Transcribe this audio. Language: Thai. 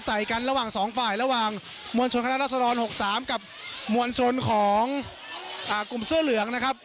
ใส่กันระหว่างสองฝ่ายระหว่างมวลชนคณะรัศดร๖๓กับมวลชนของกลุ่มเสื้อเหลืองนะครับ